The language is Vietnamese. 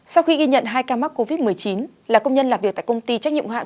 sau khi ghi nhận hai ca mắc covid một mươi chín là công nhân làm việc tại công ty trách nhiệm hạn